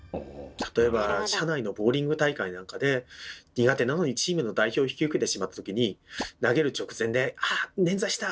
例えば社内のボウリング大会なんかで苦手なのにチームの代表を引き受けてしまったときに投げる直前で「あ捻挫した！